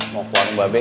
mau ke warung mbak be